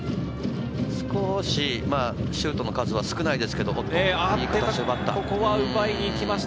少しシュートの数は少ないですけど、いい形で奪った。